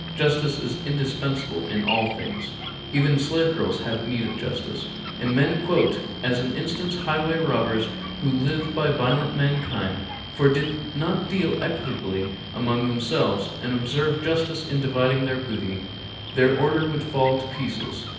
Justice is indispensable in all things; even slave girls have need of justice; and men quote as an instance highway robbers who live by violenting mankind, for did they not deal equitably among themselves and observe justice in dividing their booty, their order would fall to pieces.